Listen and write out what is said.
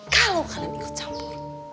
kalau kalian ikut campur